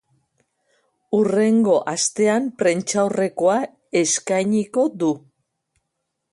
Hurrengo astean prentsaurrekoa eskainiko du.